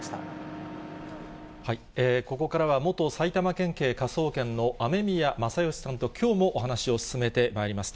ここからは、元埼玉県警科捜研の雨宮正欣さんと、きょうもお話を進めてまいります。